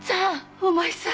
お前さん！